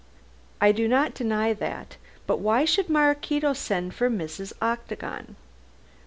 "I do not deny that. But why should Maraquito send for Mrs. Octagon?"